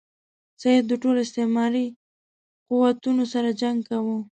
سید د ټولو استعماري قوتونو سره جنګ کاوه.